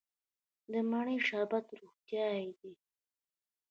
د مڼې شربت روغتیایی دی.